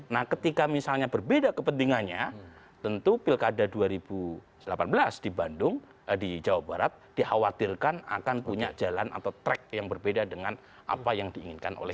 nah ketika misalnya berbeda kepentingannya tentu pilkada dua ribu delapan belas di bandung di jawa barat dikhawatirkan akan punya jalan atau track yang berbeda dengan apa yang diinginkan oleh